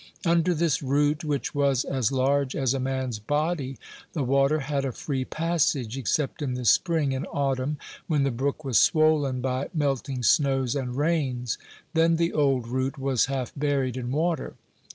Under this root, which was as large as a man's body, the water had a free passage, except in the spring and autumn, when the brook was swollen by melting snows and rains. Then the old root was half buried in water.